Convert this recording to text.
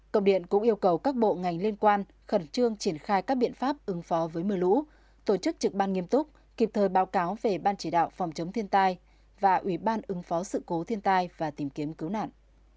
công điện cũng yêu cầu các bộ ngành liên quan khẩn trương triển khai các biện pháp ứng phó với mưa lũ tổ chức trực ban nghiêm túc kịp thời báo cáo về ban chỉ đạo phòng chống thiên tai và ủy ban ứng phó sự cố thiên tai và tìm kiếm cứu nạn